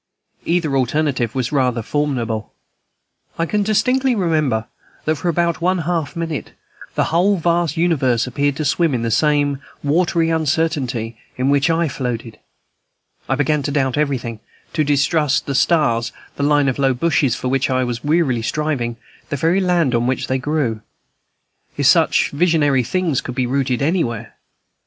Either alternative was rather formidable. I can distinctly remember that for about one half minute the whole vast universe appeared to swim in the same watery uncertainty in which I floated. I began to doubt everything, to distrust the stars, the line of low bushes for which I was wearily striving, the very land on which they grew, if such visionary things could be rooted anywhere.